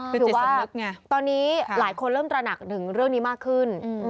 คือว่าตอนนี้หลายคนเริ่มตระหนักถึงเรื่องนี้มากขึ้น